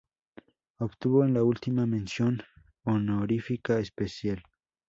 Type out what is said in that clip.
Obtuvo en la última, mención honorífica especial.